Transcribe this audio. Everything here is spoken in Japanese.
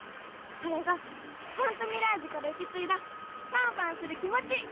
それがファントミラージュから受け継いだファンファンする気持ち！